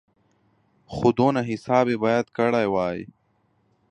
خو دونه حساب یې باید کړی وای.